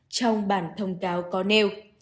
trong bản thông cáo có nêu